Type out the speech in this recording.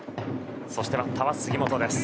そして、バッターは杉本。